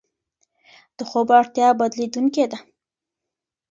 د خوب اړتیا بدلېدونکې ده.